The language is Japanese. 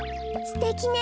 すてきね。